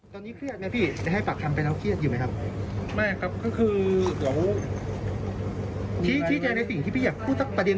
ตอนนี้เครียดไหมพี่ให้ปากคำไปแล้วเครียดอยู่ไหมครับ